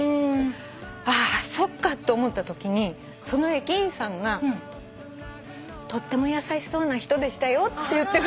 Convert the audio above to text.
ああそっかと思ったときにその駅員さんが「とっても優しそうな人でしたよ」って言ってくれたの。